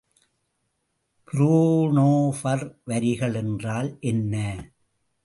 பிரோனோஃபர் வரிகள் என்றால் என்ன?